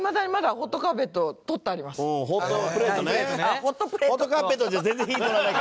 ホットカーペットじゃ全然火通らないから。